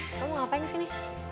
kamu ngapain kesini